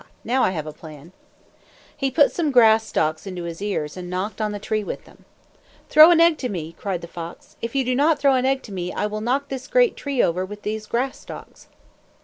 Now I have a plan." He put some grass stalks into his ears and knocked on the tree with them. "Throw an egg to me," cried the fox. "If you do not throw an egg to me, I will knock this great tree over with these grass stalks."